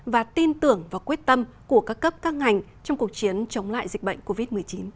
và tin tưởng và quyết tâm của các cấp các ngành trong cuộc chiến chống lại dịch bệnh covid một mươi chín